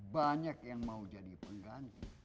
banyak yang mau jadi pengganti